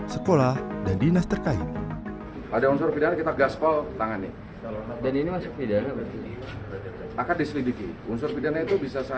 sekolah dan dinas terkait